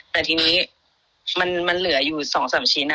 แต่ทีนี้มันเหลืออยู่๒๓ชิ้น